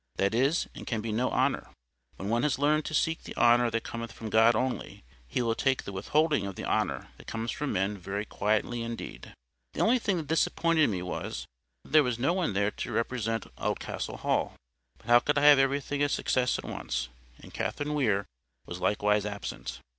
That is and can be no honour. When one has learned to seek the honour that cometh from God only, he will take the withholding of the honour that comes from men very quietly indeed. The only thing that disappointed me was, that there was no one there to represent Oldcastle Hall. But how could I have everything a success at once!—And Catherine Weir was likewise absent.